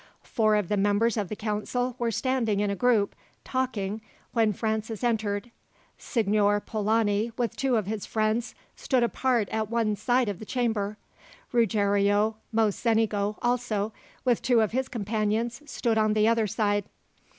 Four of the members of the council were standing in a group, talking, when Francis entered. Signor Polani, with two of his friends, stood apart at one side of the chamber. Ruggiero Mocenigo also, with two of his companions, stood on the other side.